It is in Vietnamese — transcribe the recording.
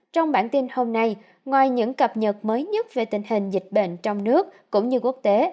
trong bản tin hôm nay ngoài những cập nhật mới nhất về tình hình dịch bệnh trong nước cũng như quốc tế